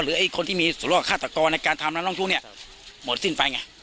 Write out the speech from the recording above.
ไอ้คนที่มีส่วนร่วมฆาตกรในการทำนักร้องทุกข์เนี่ยหมดสิ้นไปไง